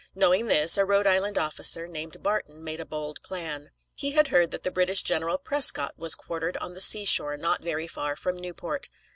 Knowing this, a Rhode Island officer named Barton made a bold plan. He had heard that the British General Prescott was quartered on the seashore not very far from Newport.